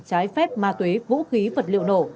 trái phép ma tuế vũ khí vật liệu nổ